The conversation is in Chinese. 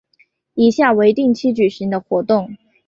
以下为定期举行的活动